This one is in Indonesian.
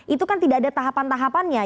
itu kan tidak ada tahapan tahapannya